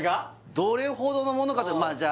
どれほどのものかとじゃあ